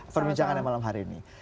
perbincangan yang malam hari ini